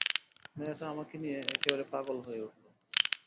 মেয়েটা আমাকে নিয়ে একেবারে পাগল হয়ে উঠল।